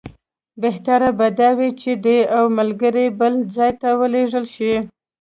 بهتره به دا وي چې دی او ملګري یې بل ځای ته ولېږل شي.